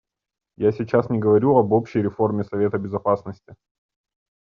Я сейчас не говорю об общей реформе Совета Безопасности.